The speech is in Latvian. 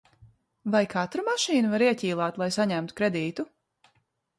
Vai katru mašīnu var ieķīlāt, lai saņemtu kredītu?